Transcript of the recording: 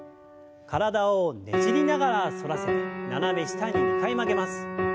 体をねじりながら反らせて斜め下に２回曲げます。